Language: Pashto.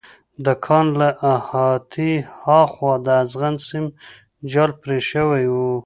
د کان له احاطې هاخوا د اغزن سیم جال پرې شوی و